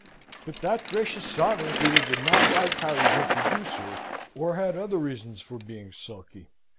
But that gracious sovereign either did not like Harry's introducer, or had other reasons for being sulky.